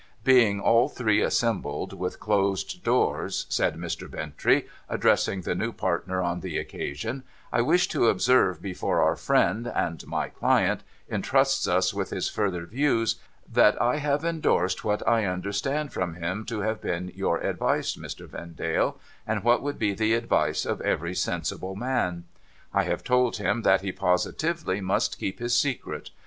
' Being all three assembled with closed doors,' said Mr. Bintrey, addressing the new partner on the occasion, ' I wish to observe, before our friend (and my client) entrusts us with his further views, that I have endorsed what I understand from him to have been your advice, Mr. Vendale, and what would be the advice of every sensible man. I have told him that he positively must keep his secret.